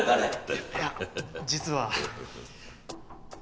いや実は。